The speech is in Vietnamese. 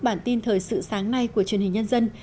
bản tin thời sự sáng nay của truyền hình nhân dân